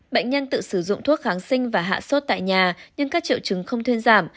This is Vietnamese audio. bệnh nhân tự sử dụng thuốc kháng sinh và hạ sốt tại nhà nhưng các triệu chứng không thuyên giảm